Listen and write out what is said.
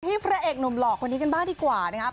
พระเอกหนุ่มหล่อคนนี้กันบ้างดีกว่านะครับ